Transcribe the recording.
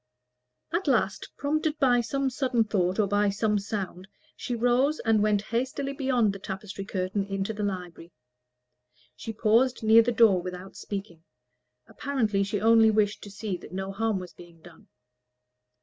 At last, prompted by some sudden thought or by some sound, she rose and went hastily beyond the tapestry curtain into the library. She paused near the door without speaking: apparently she only wished to see that no harm was being done.